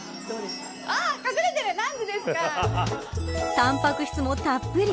たんぱく質もたっぷり。